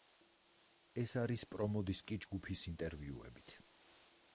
ეს არის პრომო-დისკი ჯგუფის ინტერვიუებით.